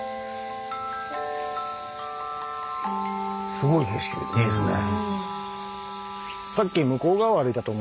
すごい景色でいいですね。